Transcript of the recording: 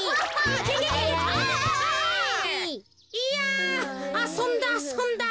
いやあそんだあそんだ。